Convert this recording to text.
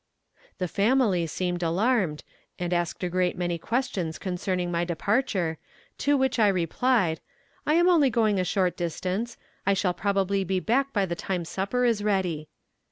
The family seemed alarmed, and asked a great many questions concerning my departure, to which I replied: "I am only going a short distance; I shall probably be back by the time supper is ready."